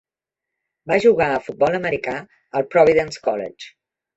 Va jugar a futbol americà al Providence College.